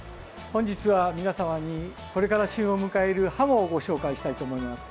本日は皆様にこれから旬を迎えるハモをご紹介したいと思います。